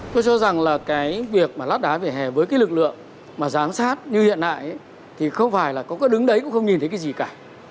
tôi cho rằng là cái việc mà lát đá về hè với cái lực lượng mà giám sát như hiện nay thì không phải là đứng đấy cũng không nhìn thấy cái gì cả